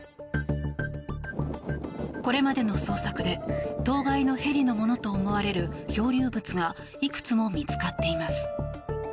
これまでの捜索で当該のヘリのものと思われる漂流物がいくつも見つかっています。